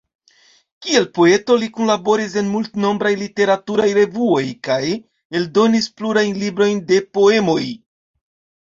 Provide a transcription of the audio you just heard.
Kiel poeto li kunlaboris en multnombraj literaturaj revuoj kaj eldonis plurajn librojn de poemoj.